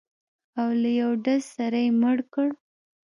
او له یوه ډزه سره یې مړ کړ.